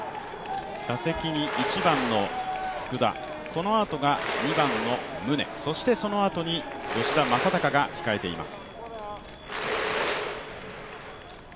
打席に１番の福田、このあとが２番の宗、そして、そのあとに吉田正尚が控えています。